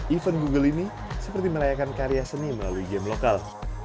event google ini seperti merayakan karya seni melalui game lokal